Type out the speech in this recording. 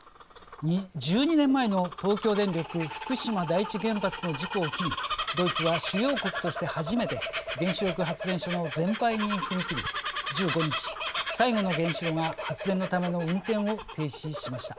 １２年前の東京電力福島第一原発の事故を機にドイツは主要国として初めて原子力発電所の全廃に踏み切り１５日最後の原子炉が発電のための運転を停止しました。